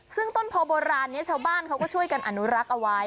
ซึ่งต้นโพโบราณนี้ชาวบ้านเขาก็ช่วยกันอนุรักษ์เอาไว้